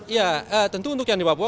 ya tentu untuk yang di papua